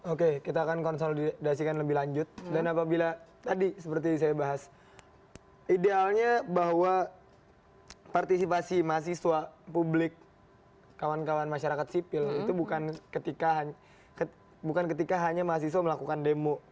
oke kita akan konsolidasikan lebih lanjut dan apabila tadi seperti saya bahas idealnya bahwa partisipasi mahasiswa publik kawan kawan masyarakat sipil itu bukan ketika hanya mahasiswa melakukan demo